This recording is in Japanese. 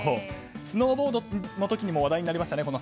スノーボードの時にも話題になりましたね。